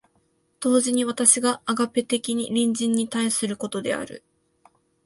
同時に私がアガペ的に隣人に対することである。